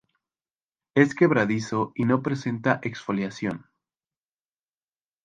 Es quebradizo y no presenta exfoliación.